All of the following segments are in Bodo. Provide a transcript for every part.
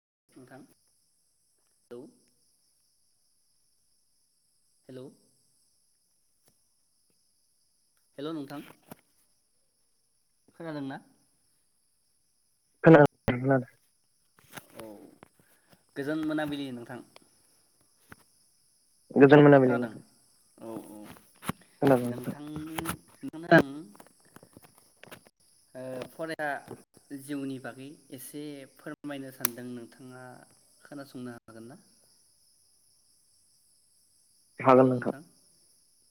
[inaudible] हेलौ हेलौ नोंथां। खोनादोंना? खोनादों खोनादों। औ गोजोन मोनाबिलि नोंथां। गोजोन मोनाबिलि नोंथां खेनादों औ औ खोनादों नोंथां नोंथांनि आं ओ फराया जिउनि बागै एसे फोरमायनो सानदों, नोंथाङा खोनासंनो हागोन ना? हेल नोंथां।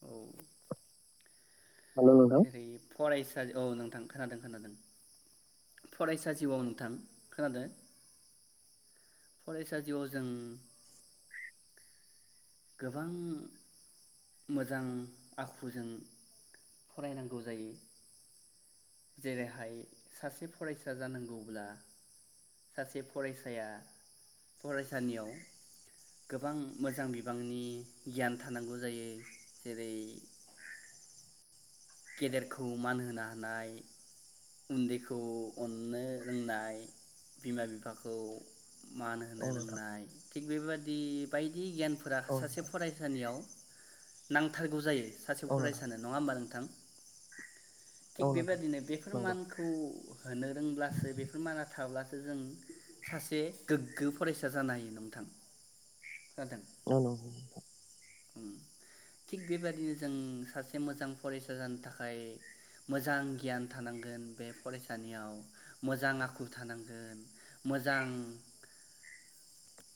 औ। हेलौ नोंथां। जेरै फरायसा औ नोंथां खोनादों खोनादों फरायसा जिउआव नोंथां खोनादो फरायसा जिउआव जों गोबां मोजां आखुजों फरायनांगौ जायो जेरैहाय सासे फरायसा जानांगौब्ला सासे फरायसाया फरायसानियाव गोबां मोजां बिबांनि गियान थानांगौ जायो जेरै गेदेरखौ मान होनो हानाय उन्दैखौ अननो रोंनाय बिमा बिफाखौ मान औ होनो नोंथां रोंनाय थिग बेबादि बायदि बायदि गियानफोरा औ सासे फरायसानियाव नांथारगौ जायो। सासे नोंथां फरायसानो नङा होमबा नोंथां? औ नोंथां औ थिग नोंथां बेबादिनो बेफोर नंगौ मानखौ होनो रोंब्लासो बेफोर माना थाब्लासो जों सासे गोग्गो फरायसा जानो हायो नोंथां खो औ नोंगौ [inaudible] थिग बेबादिनो जों सासे मोजां फरेस्ट जानो थाखाय मोजां गियान थानांगोन बे फरायसानियाव मोजां आखु थानांगोन मोजां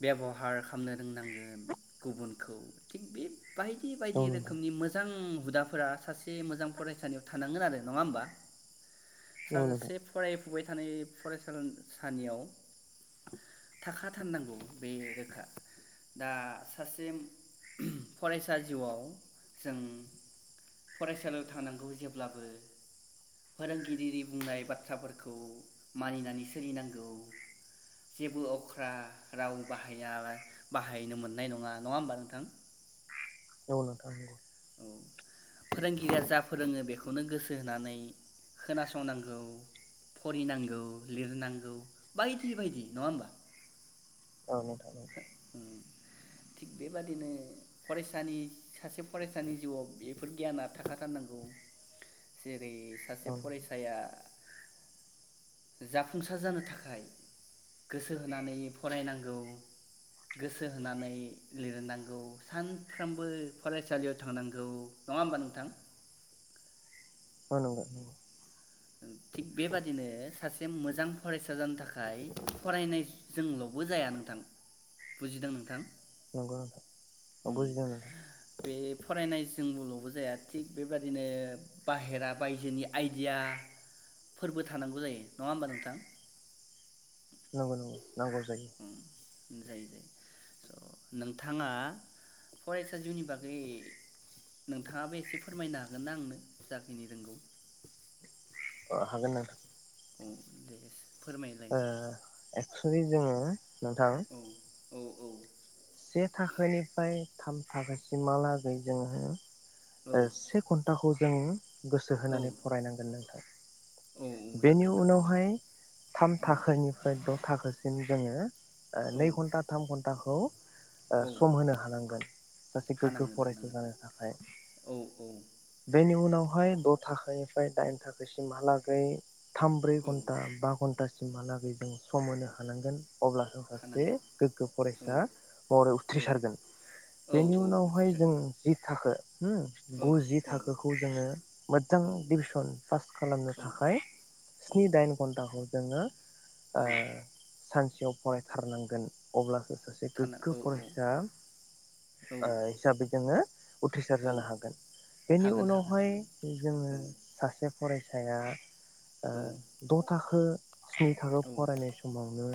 बेबहार खामनो रोंनांगोन गुबुनखौ थिग बे बायदि औ नोंथां औ बायदि नोंथां रोखोमनि मोजां हुदाफोरा सासे सासे मोजां फरायसालियाव थानांगोन आरो, नङा होमबा? नंगौ औ साजासे फराय फुबाय थानाय फरायसा सानियाव थाखा थारनांगौ बे रोखा दा सासे फरायसा जिउआव जों फरायसालियाव थांनांगौ जेब्लाबो फोरोंगिरिरि बुंनाय बाथ्राफोरखौ मानिनानै सोलिनांगौ जेबो अख्रा राव बाहाया बाहायनो मोननाय नङा, नङा होमबा नोंथां? औ नोंथां नंगौ। फोरोंगिरिया जा फोरोङो बेखौनो गोसो होनानै खोनासंनांगौ फरि नांगौ लिरनांगौ बायदि बायदि नङा होमबा? औ नोंथां ओम थिग बेबादिनो फरायसानि सासे फरायसानि जिउआव बेफोर गियाना थाखाथारनांगौ जे बे सासे फरायसाया जाफुंसार जानो थाखाय गोसो होनानै फरायनांगौ गोसो होनानै लिरनांगौ सानफ्रोमबो फरायसालियाव थांनांगौ नङा होमबा नोंथां? औ नंगौ नंगौ थिग बेबादिनो सासे मोजां फरायसा जानो थाखाय फरायनाय जोंल'बो जाया नोंथां बुजिदों नोंथां नगौ नोंथां बुजिदों नोंथां। फरायनायजोंबोल'बो जाया थिग बेबादिनो बाहेरा बायजोनि आइदियाफोरबो थानांगौ जायो नङा होमबा नोंथां? नंगौ नंनौ नांगौ जायो। जायो जायो स' नोंथाङा फरायसा जिउनि बागै नोंथाङाबो एसे फोरमायनो हागोनना आंनो जाखिनि रोंगौ। अ हागोन नोंथां। अ देस ओ ए एकसुलि जोङो। नोंथां। औ औ औ से थाखोनिफ्राय थाम थाखोसिमहालागै जोङो। औ ओ से खनथाखौ जोङो गोसो औ होनानै फरायनांगोन नोंथां औ बेनि नांगोन नांगोन नांगोन उनावहाय थाम औ थाखोनिफ्राय द' थाखोसिम जोङो औ नै घन्टा थाम घन्टाखौ ओ औ सम होनो हानांगोन सासे गोग्गो हानांगोन फरायसा हानांगोन जानो थाखाय। औ औ बेनि उनाव बेहाय द' थाखानिफ्राय दाइन थाखोसिमहालागै। थाम ब्रै औ घन्टा बा घन्टास सिमहालागै जों सम होनो हानांगोन। अब्ला जों सासे हानांगोन गोग्गो औ फरायसा [unintelligible] औ उथ्रिसारगोन औ बेनि औ उनावहाय जों उथ्रिसारगोन जि थाखो होम औ गुजि औ थाखोखौ जोङो मोजां औ डिभिसन पास खालामनो औ थाखाय औ स्नि दाइन घन्टाख खौ जोङो औ ओ सानस थायाव फरायथारनांगोन अब्लासो थाना गोग्गो औ औ फरायसा ओ औ हिसाबै जोङो उथ्रिसार औ जानो हागोन बेनि हागोन हागोन उनावहाय हागोन जोङो औ सासे फरायसाया ओ औ द' थाखो स्नि थाखोआव फरायनाय समावनो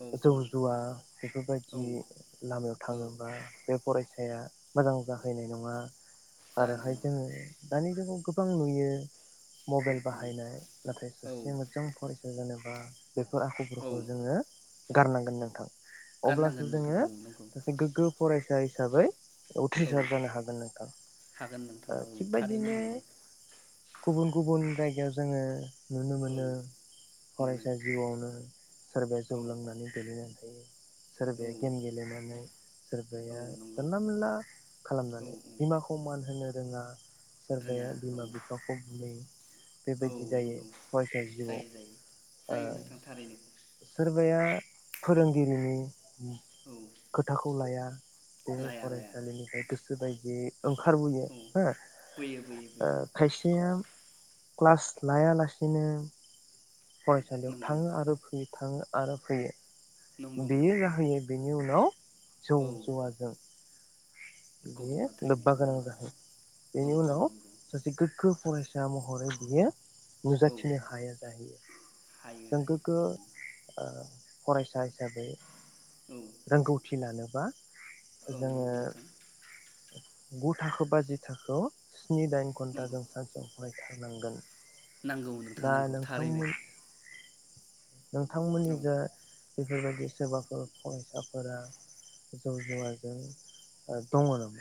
औ जौ जुवा बेफोरबायदि। औ जि लामायाव औ थाङोबा बे फराय साया मोजां जाहैनाय नङा। जानाय आरोहाय नङा जोङो। दानि जुगाव गोबां नुयो। औ मबाइल औ बाहायनाय नाथाय औ सासे मोजां फरायसा जानो, आ बेफोर औ आखुफोरखौ जोङो। गारनांगोन नोंथां, अब्ला गारनांगोन नोंथां जोङो औ नंगौ सासे गोग्गो फराय सा हिसाबै औ उथ्रिसार जानो हागोन नोंथां हागोन नोंथाङा औ थारैनो थिगबायदिनो नंगौ गुबुन गुबुन जाय गिबियाव जोङो, नुनो औ मोनो मोनो फरायसा जिउआवनो सोरबाया जौ औ लांनानै गोलैनानै थायो, औ सोरबाया गेम गेलेनानै औ सोरबाया नंगौ जानला मोनला औ खालामनानै औ बिमाखौ मान होनो, रोङा रोङा सोरबाया औ बिमा बिफाखौ बुलायो औ बेबायदि जायो नंगौ फरायसा जिउआव जायो जायो ओ जायो नोंथां थारैनो सोरबाया, फोरोंगिरिनि औ खोथाखौ लाया, बे लाया लाया फरायसालिनिफ्राय गोस बेबायदि ओंखारबोयो औ हो बोयो बोयो बोयो खायसेया, क्लास लायालासिनो, फरायसालियाव नंगौ थाङो आरो फैयो, थाङो आरो फैयो, नंगौ बियो नंगौ नंगौ जाहोयो बिनि उनाव, जौ औ जौवाजों बेयो गब'ना थायो लोब्बा नङा गोनां होमबा जाहै औ बेनि औ उनाव नंगौ सासे गोग्गो फरायसा महरै बियो, औ नुजाथिनो हाया जाहैयो हायो जों हायो गोग्गो आ फरायसा हि हिसाबै औ रोंगौथि लानो, बा औ जोङो नंगौ नोंथां गु थाखो बा जि थाखोव स्नि दाइ घन्ट नंगौ जों सानसेव फरायो थानांगोन नांगौ नोंथां नांगौ थारैनो नोंथांमोननि औ जो बेफोर बायदि सोरबाफोर फरायसाफोरा जौ-जुवाजों ओ दङ नामा?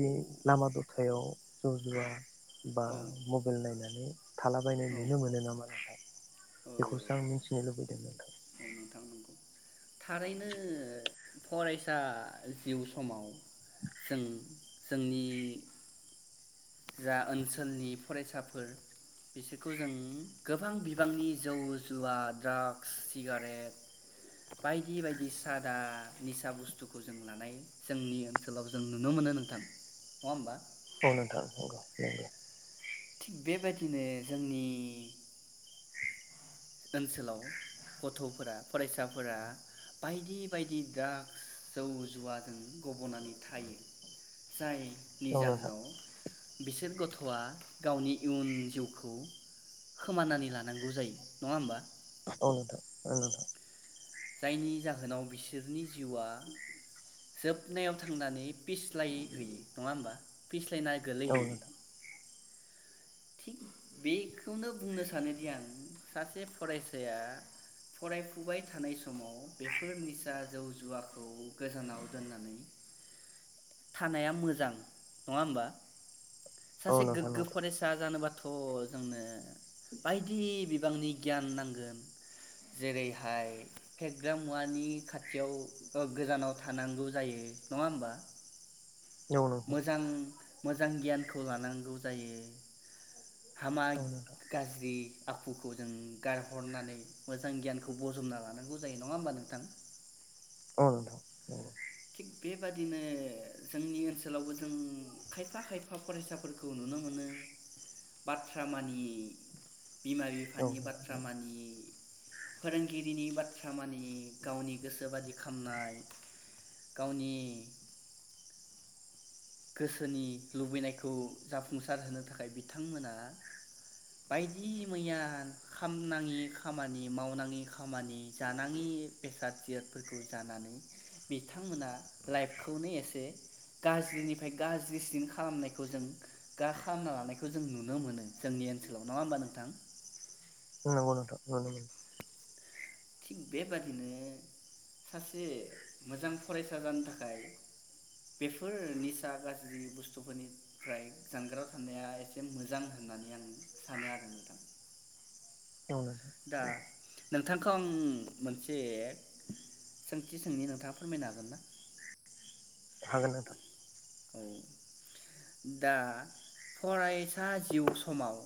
औ लामा दथायाव जौ जुवा बा औ मबाइल नायना बे थालाबायनाय औ नुनो मोनो नामा नोंथां? बेखौसो आं औ मिथिनो लुबैदों नोंथां। नोंथां नंगौ थारैनो फरायसा जिउ समाव जों जोंनि जा ओनसोलनि फरायसाफोर बिसोरखौ जों गोबां बिबांनि जौ जुवा ड्राग्स सिगारेट बायदि-बायदि सादा निसा बुस्थुखौ जों लानाय जोंनि ओनसोलाव जों नुनो मोनो नोंथां नङा होमबा औ नोंथां नंगौ नंगौ थिग बेबायदिनो जोंनि ओनसोलाव गथफोरा फरायसाफोरा बायदि-बायदि द्राग्स जौ जुवाजों गबनानै थायो जाय नि नंगौ जाहोनाव बिसोर गथ थआ गावनि इयुन जिउखौ खोमानानै लानांगौ जायो नङा होमबा? औ नोंथां ओं नोथां जायनि जाहोनाव बिसोरनि जिउआ जोबनायाव थांनानै फिस्लाय हैयो नङा होमबा फिस [unintelligible] ना औ नोंथां औ गोलैहैयो थिग बेखौनो बुंनो सानोदि आं सासे फरायसाया फरायफुबाय थानाय समाव बेफोर निसा जौ-जुवाखौ गोजानाव दोननानै थानाया मोजां नङा होमबा? सासे नोंथां औ नोंथां गोग्गो नंगौ फरायसा जानोबा थ जोंनो बायदि बिबांनि गियान नांगोन जेरैहाय फेग्रा मुवानि खाथियाव ओ गोजानाव थानांगौ जायो नङा होमबा? औ नोंथां औ नोंथां मोजां मोजां गियानखौ लानांगौ जायो हामा गाज्रि आखुखौ जों गारहरनानै मोजां गियानखौ बजबना लानांगौ जायो नङा होमबा नोंथां? औ नोंथां औ थिग बेबादिनो जोंनि ओनसोलावबो जों खायफा खायफा फरायसाफोरखौ नुनो मोनो बाथ्रा मानियि। बिमा औ बिफानि नोंथां बाथ्रा मानियि। फोरोंगिरिनि बाथ्रा मानियि गावनि गोसो बादि खामनाय। गावनि गोसोनि लुबैनायखौ जाफुंसार होनो थाखाय बिथांमोना बायदि मैया खामनाङि खामानि मावनाङि खामानि जानाङि बेसाद जिरादफोरखौ जानानै बिथांमोना लाइफखौनो एसे गाज्रिनि फाय गाज्रिसिन खालामनायखौ जों गा खालामना लानायखौ जों नुनो मोनो जोंनि ओनसोलाव नङा होमबा नोंथां? नोंगौ नोंथां नुनो मोनो। थिग बेबादिनो सासे मोजां फरायसा जानो थाखाय बेफोर निसा गाज्रि बुस्थुफोरनिफ्राय जानगाराव थानाया एसे मोजां होननानै आं सानो आरो नोंथां। औ दा नोंथां। नोंथांखौ आं मोनसे सोंथि सोंनि नोंथाङा फोरमायनो हागोन ना? हागोन नोंथां। औ दा फरायसा जिउ समाव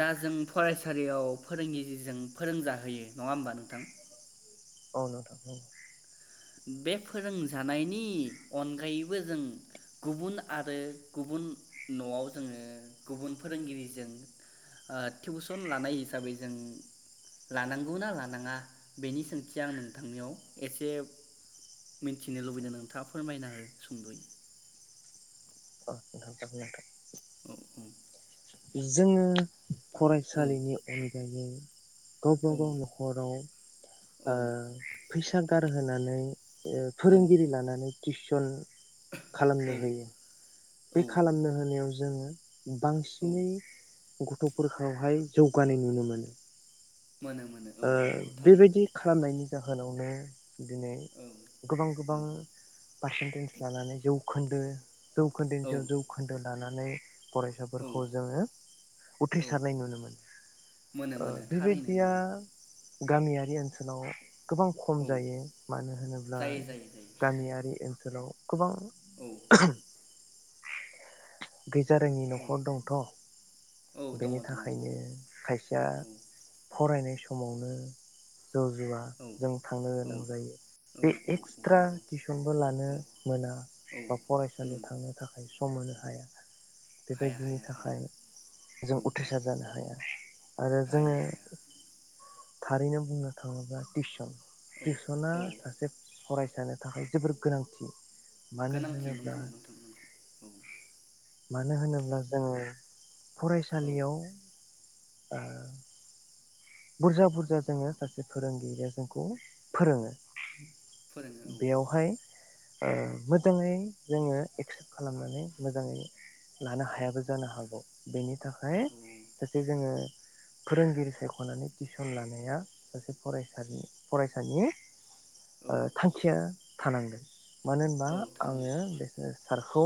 जा जों फरायसालियाव फोरोंगिरिजों फोरोंजाहोयो नङा होमबा नोंथां। अ नोंथां बुं बे फोरोंजानायनि अनगायैबो जों गुबुन आरो गुबुन न'आव जोङो गुबुन फोरोंगिरिजों ओ टिउसन लानाय हिसाबै जों लानांगौना लानाङा बेनि सोंथिया नोंथांनियाव एसे मिथिनो लुबैदों नोंथाङा फोरमायना हो सुंदयै। [unintelligible] नोंथां औ औ जोङो औ फरायसालिनि अनगायै औ गावबागाव ओ नख'राव ओ औ फैसा गार होनानै ओ औ औ फोरोंगिरि लानानै तिस [unintelligible] औ खालामनो होयो औ बे खालामनो होनायाव ज जोङो बांसिन औ दिनै गथ'फोरखौहाय जौगानाय नुनो मोनो। मोनो मोनो औ ओ नंगौ थारैनो बेबायदि खालामनायनि जाहोनावनो दिनै औ गोबां औ गोबां पारसेन्टेज लानानै जौ खन्दो औ जौखोन्दोनि सायाव जौखोन्दो लानानै। नै औ फरायसाफोरखौ जोङो औ उथ्रिसारनाय नुनो मोनो मोनो ओ मोनो थारैनो बेबायदिया नंगौ गामियारि ओनसोलाव गोबां खम औ जायो मानो होनोब्ला जायो जायो जायो गामियारि ओनस ओसोलाव गोबां औ गैजा रोङि औ नखर दंथ औ दङ बेनि दङ दङ थाखायनो खायसेया औ फरायनाय समावनो जौ जुवा औ जों थांनो औ गोनां जायो बे औ औ एक्सट्रा नंगौ टिउसनबो लानो औ मोना औ बा उम फरायसालियाव थांनो थाखायो सु औ मानो हाया हाया बेबायदिनि हाया हाया थाखाय जों औ उथ्रिसार जानो हाया। आरो जोङो हाया हाया थारैनो बुंनो थाङोब्ला टिउसन औ टिउसना औ सासे फरायस सानो थाखाय जोबोर गोनांथि मानो गोनांथि होनोब्ला नंगौ नोंथां नंगौ औ मानो होनोब्ला जोङो औ फरायसालियाव ओ बुरजा बुरजा जोङो सासे फोरोंगिरिया जोंखौ फोरोङो फोरोंनो औ बेयावहाय ओ मोजाङै जोङो एक्सेप्ट खालामनानै मोजाङै लानो हायाबो जानो हागौ बेनि थाखाय हागौ सासे जोङो फोरोंगिरिखौ सायखनानै टिउसन लानाया सासे फरायसानि फरायसानि औ ओ थांखिया थानांगोन मानो होनबा औ थानांगोन आङो बेखो सारखौ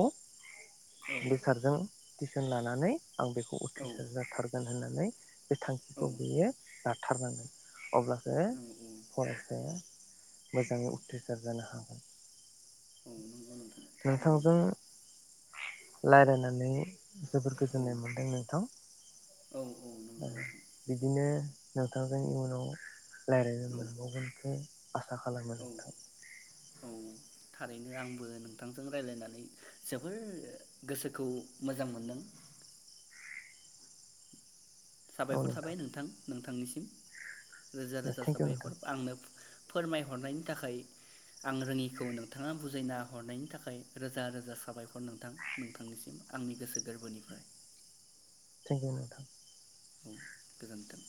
औ बे सारजों टिउसन लानानै आं बेखौ औ उथ्रिसार जाथारगोन होननानै बे औ थांखिखौ [unintelligible] जाथारनांगोन अब्लासो औ औ फरायसाया मोजाङै उथ्रिसार जानो हागोन। औ नंगौ नोंथां थारैनो नोंथांजों रायलायनानै जोबोर औ गोजोननाय मोनदों नोंथां औ औ ओ नंगौ नोंथां बिदिनो नोंथांजों इयुनाव रायलायनो औ मोनबावगोनखो आसा खालामो औ नोंथां औ थारैनो आंबो नोंथांजों रायलायनानै जोबोर गोसोखौ मोजां मोन्दों। साबायखर थाबाय नोंथां नोंथा थांनिसिम रोजा रोजा थेंक इउ साबायखर नोंथां आंनो फोरमायहरनायनि थाखाय आं रोङिखौ नोंथाङा बुजायना हरनायनि थाखाय रोजा रोजा साबायखर नोंथां नोंथांनिसिम आंनि गोसो गोर्बोनिफ्राय। थेंक इउ नोंथां। औ गोजोन्थों।